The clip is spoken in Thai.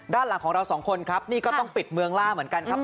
ด้านหลังของเราสองคนครับนี่ก็ต้องปิดเมืองล่าเหมือนกันครับ